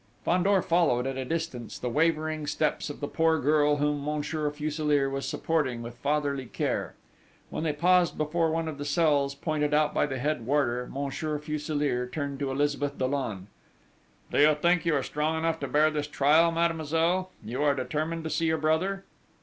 Fandor followed, at a distance, the wavering steps of the poor girl whom Monsieur Fuselier was supporting with fatherly care. When they paused before one of the cells pointed out by the head warder, Monsieur Fuselier turned to Elizabeth Dollon: "Do you think you are strong enough to bear this trial, mademoiselle?... You are determined to see your brother?"